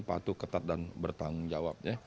patuh ketat dan bertanggung jawab